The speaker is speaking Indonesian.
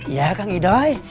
iya kak idoi